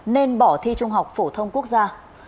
nên bỏ thi trung học phổ thông quốc gia